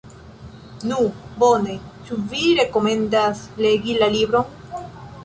Nu bone, ĉu mi rekomendas legi la libron?